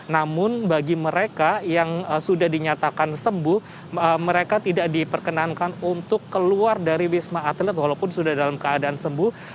namun bagi mereka yang sudah dinyatakan sembuh mereka tidak diperkenankan untuk keluar dari wisma atlet walaupun sudah dalam keadaan sembuh